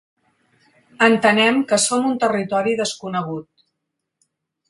Entenem que som en territori desconegut.